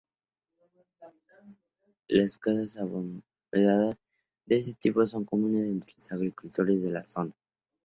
Las casas abovedadas de este tipo son comunes entre los agricultores de la zona.